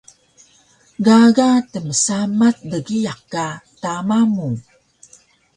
Gaga tmsamac dgiyaq ka tama mu